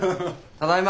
ただいま。